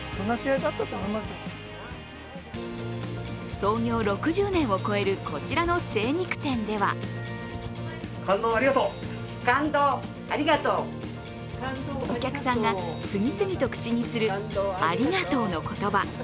創業６０年を超えるこちらの精肉店ではお客さんが次々と口にするありがとうの言葉。